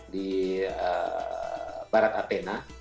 di barat athena